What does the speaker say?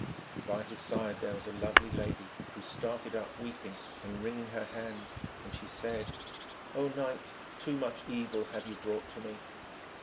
And by his side there was a lovely lady, who started up, weeping and wringing her hands, and she said: 'O knight, too much evil have you brought to me!'